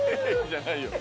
じゃないよ。